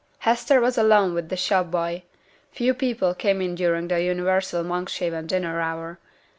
Hester was alone with the shop boy; few people came in during the universal Monkshaven dinner hour.